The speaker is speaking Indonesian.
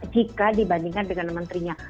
jika dibandingkan dengan menterinya